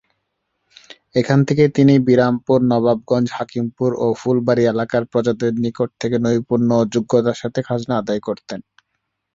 এখান থেকে তিনি বিরামপুর, নবাবগঞ্জ, হাকিমপুর ও ফুলবাড়ী এলাকার প্রজাদের নিকট থেকে নৈপুণ্য ও যোগ্যতার সাথে খাজনা আদায় করতেন।